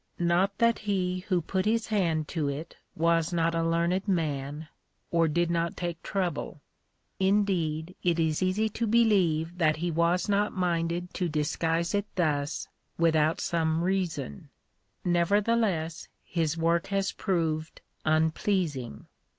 Not that he who put his hand to it was not a learned man, or did not take trouble; indeed it is easy to believe that he was not minded to disguise it thus, without some reason; nevertheless his work has proved unpleasing.